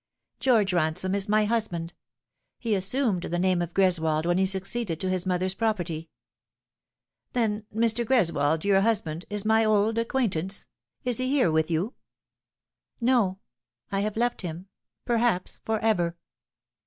George Ransome is my husband ; he assumed the name of Greswold when he succeeded to his mother's property." " Then Mr. Greswold, your husband, is my old acquaintance. Is he with you here ?"" No. I have left him perhaps for ever."